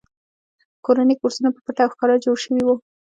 کورني کورسونه په پټه او ښکاره جوړ شوي وو